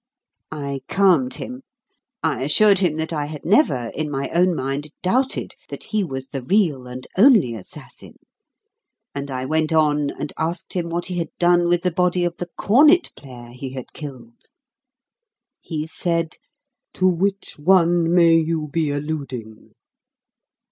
I calmed him. I assured him that I had never, in my own mind, doubted that he was the real and only assassin, and I went on and asked him what he had done with the body of the cornet player he had killed. He said, "To which one may you be alluding?"